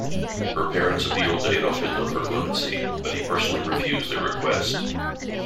Her parents appealed to Adolf Hitler for clemency, but he personally refused their request.